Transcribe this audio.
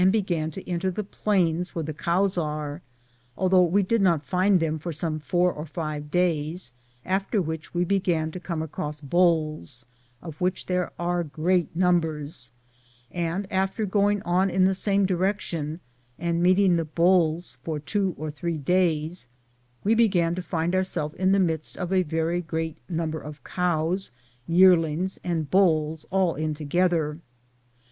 am Google THE JOURNEY OF CORONADO to enter the plains where the cows ate, al though we did not find them for some four or five days, after which we began to come across bulla, of which there are great num bers, and after going on in the same direc tion and meeting the bulls for two or three days, we began to find ourselves in the midst of very great numbers of cows, yearlings and bulls all in together.